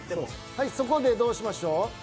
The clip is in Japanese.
はいそこでどうしましょう？